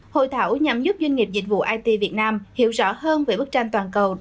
hội thảo nhằm giúp doanh nghiệp dịch vụ it việt nam hiểu rõ hơn về bức tranh toàn cầu